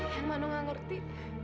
yang manu gak ngerti